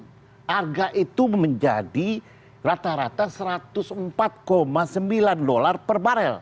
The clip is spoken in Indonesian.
dan harga itu menjadi rata rata satu ratus empat sembilan dolar per baril